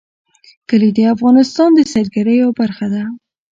کلي د افغانستان د سیلګرۍ یوه برخه ده.